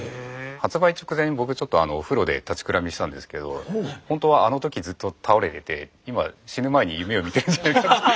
発売直前僕ちょっとお風呂で立ちくらみしたんですけどほんとはあの時ずっと倒れてて今死ぬ前に夢を見てるんじゃないかって。